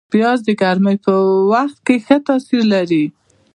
پیاز د ګرمۍ په وخت ښه تاثیر لري